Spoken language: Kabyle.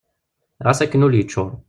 Ɣas akken ul yeččur.